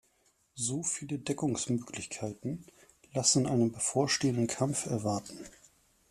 So viele Deckungsmöglichkeiten lassen einen bevorstehenden Kampf erwarten.